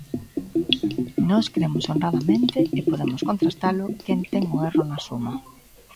Nós cremos honradamente, e podemos contrastalo, quen ten o erro na suma.